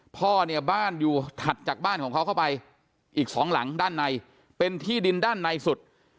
พ่อเนี่ยบ้านอยู่ถัดจากบ้านของเขาเข้าไปอีกสองหลังด้านในเป็นที่ดินด้านในสุด